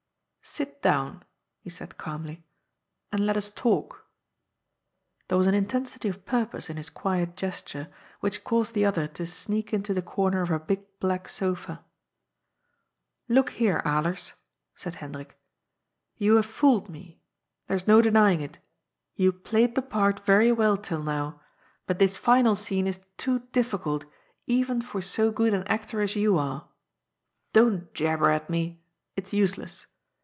" Sit down," he said calmly, " and let us talk." There was an intensity of purpose in his quiet gesture which caused the other to sneak into the comer of a big black sofa. Look here, Alers," said Hendrik. " You hare fooled me. There's no denying it. You played the part very well till now, but this final scene is too difficult, even for so good an actor as you are. Don't Jabber at me ; it's useless.